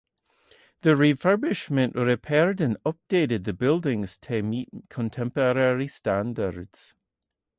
The refurbishment repaired and updated the buildings to meet contemporary standards.